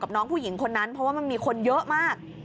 น้องผู้หญิงคนนั้นเพราะว่ามันมีคนเยอะมาก